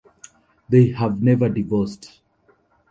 They have never divorced.